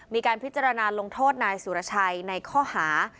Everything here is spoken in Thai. มีการพิจารณาลงโทษนายสุรชัยในข้อหา